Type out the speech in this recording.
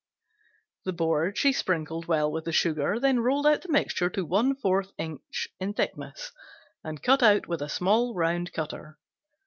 The board she sprinkled well with the sugar, then rolled out the mixture to one fourth inch in thickness, and cut out with a small round cutter.